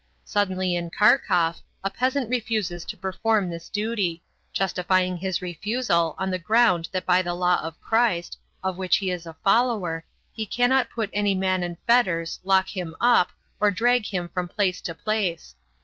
Suddenly in Kharkov a peasant refuses to perform this duty, justifying his refusal on the ground that by the law of Christ, of which he is a follower, he cannot put any man in fetters, lock him up, or drag him from place to place.